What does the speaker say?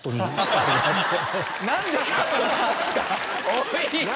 おい！